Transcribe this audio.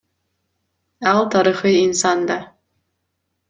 Ал тарыхый инсан да.